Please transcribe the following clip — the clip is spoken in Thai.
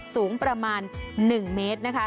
สูงประมาณ๑เมตรนะคะ